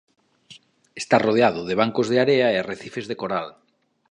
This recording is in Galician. Está rodeado de bancos de area e arrecifes de coral.